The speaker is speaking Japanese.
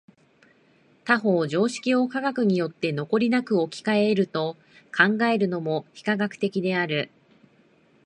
他方常識を科学によって残りなく置き換え得ると考えるのも非科学的である。